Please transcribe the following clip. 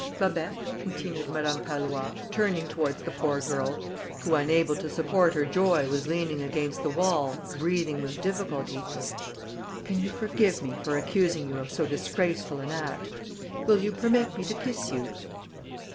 "Babet," continued Madame Pallois, turning towards the poor girl, who, unable to support her joy, was leaning against the wall, breathing with difficulty: "can you forgive me, for accusing you of so disgraceful an act? Will you permit me to kiss you?"